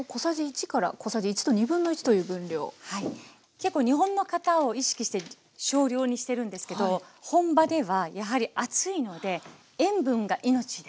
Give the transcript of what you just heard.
結構日本の方を意識して少量にしてるんですけど本場ではやはり暑いので塩分が命です。